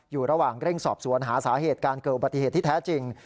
อยู่ระหว่างเร่งสอบสวนหาสาเหตุการเกิดอุบัติเหตุที่แท้จริง